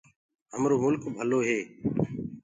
همرو ملڪ ڀلو هي۔